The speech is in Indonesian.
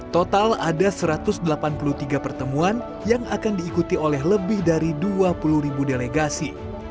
total ada satu ratus delapan puluh tiga pertemuan yang akan diikuti oleh lebih dari dua puluh ribu delegasi